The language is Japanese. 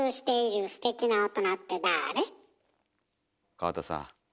川田さん。